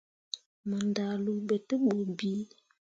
Mo ndahluu be te bu bii.